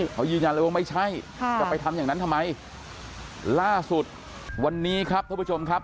เขายืนยันเลยว่าไม่ใช่ค่ะจะไปทำอย่างนั้นทำไมล่าสุดวันนี้ครับท่านผู้ชมครับ